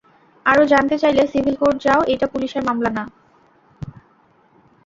আরো জানতে চাইলে, সিভিল কোর্ট যাও, এইটা পুলিশের মামলা না।